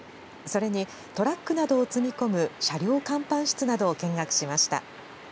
それにトラックなどを積み込む車両甲板室などを見学しました。